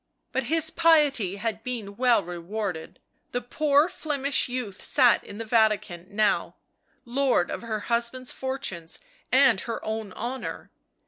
But his piety had been well rewarded — the poor Flemish youth sat in the Vatican now, lord of her husband's fortunes and her own honour.